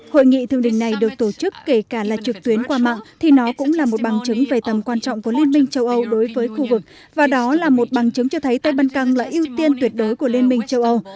hội nghị thượng đỉnh này được tổ chức kể cả là trực tuyến qua mạng thì nó cũng là một bằng chứng về tầm quan trọng của liên minh châu âu đối với khu vực và đó là một bằng chứng cho thấy tây ban căng là ưu tiên tuyệt đối của liên minh châu âu